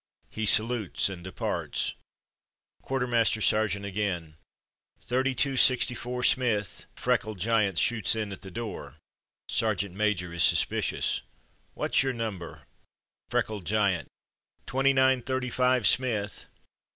He salutes and departs. Quartermaster sergeant again :." Thirty two sixty four Smith !*' A freckled giant shoots in at the door. Sergeant major is suspicious. ^'What's your number?'' Freckled giant: "Twenty nine thirty five Smith."